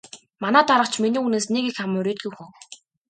Манай дарга ч миний үгнээс нэг их ам мурийдаггүй хүн.